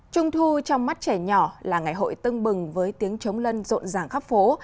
trung thu trong mắt trẻ nhỏ là ngày hội tưng bừng với tiếng chống lân rộn ràng khắp phố